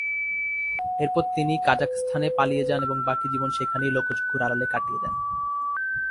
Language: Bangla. এরপর তিনি কাজাখস্তানে পালিয়ে জান এবং বাকি জীবন সেখানেই লোকচক্ষুর আড়ালে কাটিয়ে দেন।